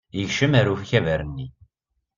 Yekcem ɣer ukabar-nni.